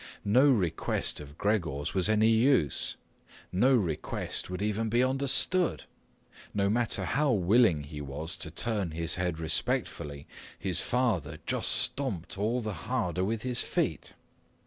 No request of Gregor's was of any use; no request would even be understood. No matter how willing he was to turn his head respectfully, his father just stomped all the harder with his feet.